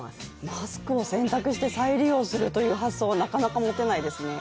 マスクを洗濯して再利用するという発想はなかなか持てないですね。